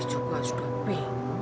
yanti juga sudah pergi